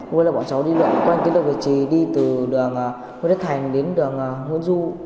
với lại bọn cháu đi đoạn quanh tiến đội vị trí đi từ đường hương đất thành đến đường hương du